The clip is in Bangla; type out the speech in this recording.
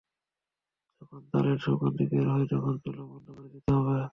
যখন তালের সুগন্ধি বের হবে, তখন চুলা বন্ধ করে দিতে হবে।